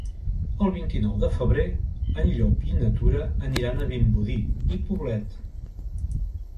El vint-i-nou de febrer en Llop i na Tura aniran a Vimbodí i Poblet.